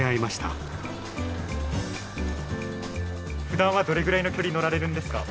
ふだんはどれぐらいの距離乗られるんですか？